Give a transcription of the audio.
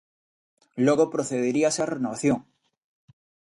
Logo procederíase á renovación.